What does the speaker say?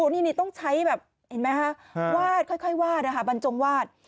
นี่ต้องใช้แบบเห็นไหมคะวาดค่อยวาดนะคะบรรจงวาด